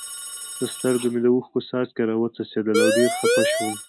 له سترګو مې د اوښکو څاڅکي را و څڅېدل او ډېر خپه شوم.